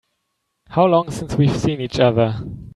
How long since we've seen each other?